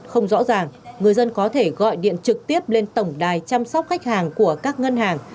không rõ ràng người dân có thể gọi điện trực tiếp lên tổng đài chăm sóc khách hàng của các ngân hàng